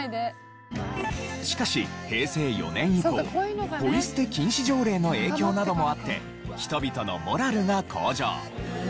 しかし平成４年以降ポイ捨て禁止条例の影響などもあって人々のモラルが向上。